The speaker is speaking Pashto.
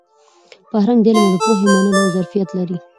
فرهنګ د علم او پوهې د منلو ظرفیت لري.